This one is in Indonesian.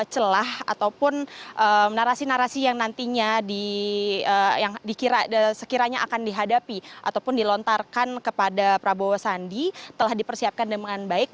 celah ataupun narasi narasi yang nantinya yang sekiranya akan dihadapi ataupun dilontarkan kepada prabowo sandi telah dipersiapkan dengan baik